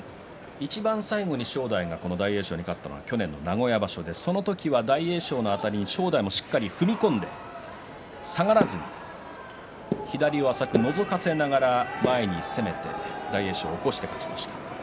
いちばん最後に正代が大栄翔に勝ったのは去年の名古屋場所正代もしっかりと踏み込みで下がらずに左を浅くのぞかせながら前に攻めて大栄翔を起こして勝ちました。